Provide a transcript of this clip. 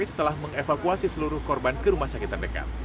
setelah mengevakuasi seluruh korban ke rumah sakitan dekat